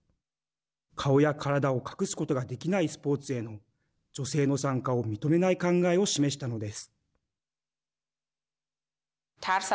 顔や体を隠すことができないスポーツへの女性の参加を認めない考えを示したのです。